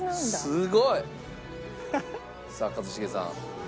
すごい！さあ一茂さん。